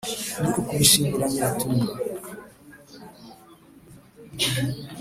ni ukubashimira nyiratunga